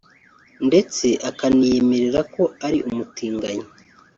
ndetse akaniyemerera ko ari umutinganyi